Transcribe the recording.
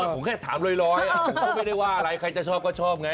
ผมแค่ถามลอยก็ไม่ได้ว่าอะไรใครจะชอบก็ชอบไง